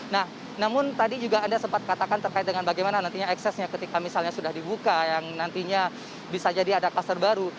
nah namun tadi juga anda sempat katakan terkait dengan bagaimana nantinya eksesnya ketika misalnya sudah dibuka yang nantinya bisa jadi ada kluster baru